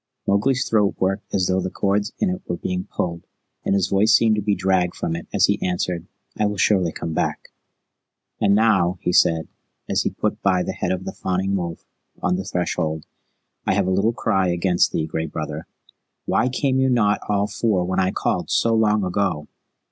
Mowgli's throat worked as though the cords in it were being pulled, and his voice seemed to be dragged from it as he answered, "I will surely come back." "And now," he said, as he put by the head of the fawning wolf on the threshold, "I have a little cry against thee, Gray Brother. Why came ye not all four when I called so long ago?"